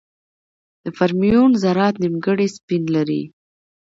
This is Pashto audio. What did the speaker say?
د فرمیون ذرات نیمګړي سپین لري.